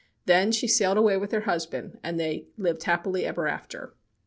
Then she sailed away with her husband, and they "lived happily ever after."